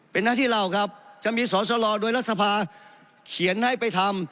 เป็นหน้าที่เราครับจะมีสอสลอโดยรัฐสภาเขียนให้ไปทำ